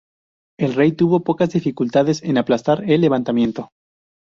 El rey tuvo pocas dificultades en aplastar el levantamiento.